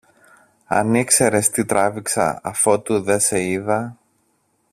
Αν ήξερες τι τράβηξα αφότου δε σε είδα!